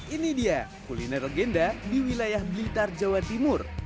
ini dia kuliner legenda di wilayah blitar jawa timur